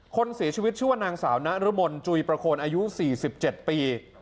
คนเสียชีวิตชื่อว่านางสาวนรมนจุยประโคนอายุ๔๗ปี